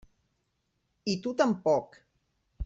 I tu tampoc.